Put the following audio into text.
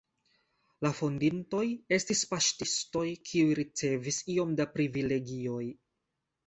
La fondintoj estis paŝtistoj, kiuj ricevis iom da privilegioj.